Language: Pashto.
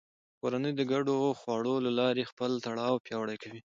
کورنۍ د ګډو خواړو له لارې خپل تړاو پیاوړی کوي